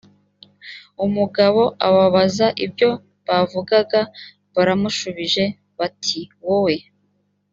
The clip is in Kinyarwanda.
umugabo ababaza ibyo bavugaga baramushubije bati wowe